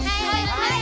はい！